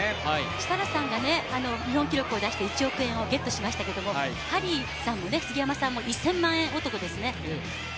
設楽さんが日本記録を出して１億円をゲットしましたけれども、ハリー杉山も１０００万円男ですね。